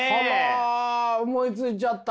あら思いついちゃった！